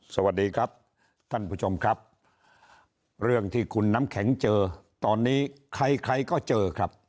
สวัสดีครับท่านผู้ชมครับเรื่องที่คุณน้ำแข็งเจอตอนนี้ใครใครก็เจอครับ